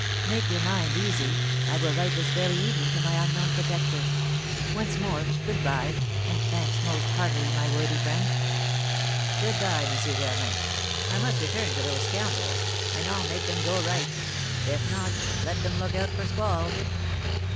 "Make your mind easy. I will write this very evening to my unknown protector. Once more, good bye, and thanks most heartily, my worthy friend." "Good bye, M. Germain. I must return to those scoundrels, and I'll make them go right; if not, let them look out for squalls!"